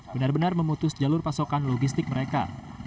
benar benar memutus jalur pasokan logistik mereka